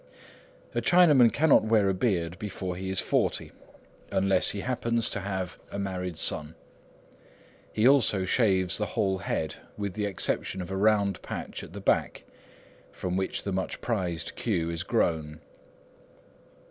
A Chinaman cannot wear a beard before he is forty, unless he happens to have a married son. He also shaves the whole head with the exception of a round patch at the back, from which the much prized queue is grown.